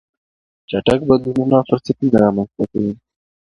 چټک بدلونونه فرصتونه رامنځته کوي.